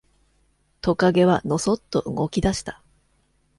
トカゲはのそっと動き出した。